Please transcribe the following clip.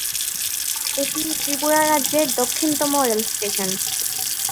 এটি ত্রিপুরা রাজ্যের দক্ষিণতম রেল স্টেশন।